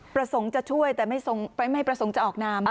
ประสงค์จะช่วยแต่ไม่ประสงค์จะออกนาม